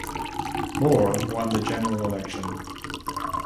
Moore Won the general election.